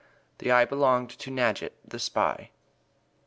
And this eye belonged to Nadgett, the spy.